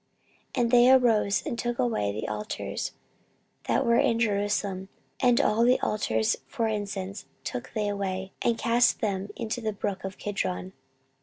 14:030:014 And they arose and took away the altars that were in Jerusalem, and all the altars for incense took they away, and cast them into the brook Kidron.